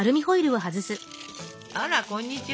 あらこんにちは。